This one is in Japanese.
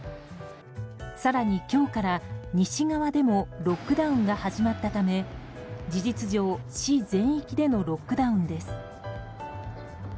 更に今日から西側でもロックダウンが始まったため事実上、市全域でのロックダウンです。